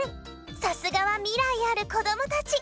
さすがはみらいあるこどもたち！